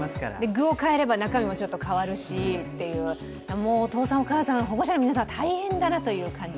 具を変えれば中身もちょっと変わるしというもうお父さん、お母さん、保護者の皆さん大変だなという。